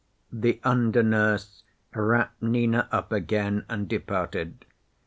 The under nurse wrapped Nina up again and departed.